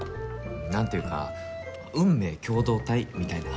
なんていうか運命共同体みたいな。